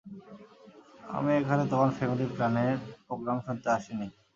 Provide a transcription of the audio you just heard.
আমি এখানে তোমার ফ্যামিলি প্লানের প্রোগ্রাম শুনতে আসি নি!